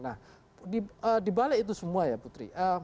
nah dibalik itu semua ya putri